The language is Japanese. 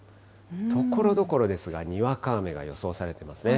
ところどころですが、にわか雨が予想されてますね。